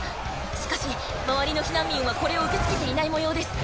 しかし周りの避難民はこれを受け付けていないもようです。